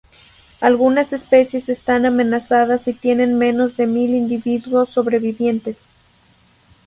Algunas especies están amenazadas y tienen menos de mil individuos sobrevivientes.